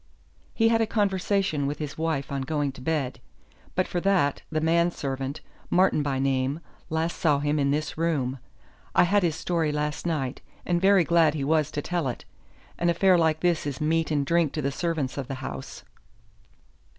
"He had a conversation with his wife on going to bed. But for that, the man servant, Martin by name, last saw him in this room. I had his story last night, and very glad he was to tell it. An affair like this is meat and drink to the servants of the house."